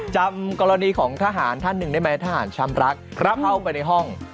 จำกรณีของทหารท่านหนึ่งได้ไหมทหารชำรักเข้าไปในห้อง